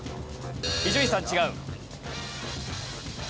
伊集院さん違う。